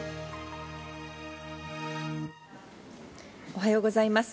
おはようございます。